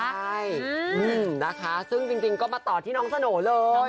ใช่นะคะซึ่งจริงก็มาต่อที่น้องสโหน่เลย